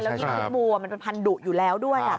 และกิลบูมันผันดุอยู่แล้วด้วย